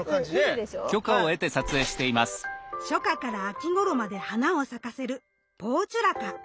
初夏から秋頃まで花を咲かせるポーチュラカ。